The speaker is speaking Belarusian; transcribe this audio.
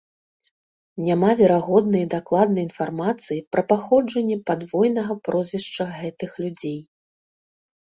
Няма верагоднай і дакладнай інфармацыі пра паходжанне падвойнага прозвішча гэтых людзей.